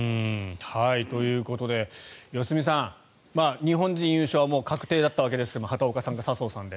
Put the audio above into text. ということで良純さん、日本人優勝はもう確定だったわけですが畑岡さんか笹生さんで。